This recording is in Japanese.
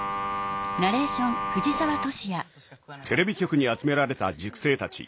テレビ局に集められた塾生たち。